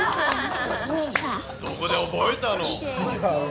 どこで覚えたの？